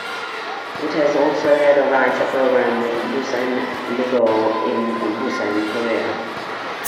It has also had a writer program with Busan Ilbo in Busan, Korea.